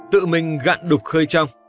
tự mình gạn đục hơi trong